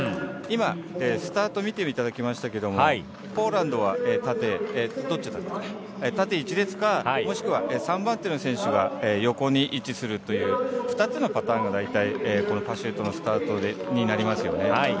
今、スタートを見ていただきましたがポーランドは縦１列かもしくは３番手の選手が横に位置するという２つのパターンが大体このパシュートのスタートになりますよね。